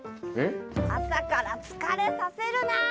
朝から疲れさせるな！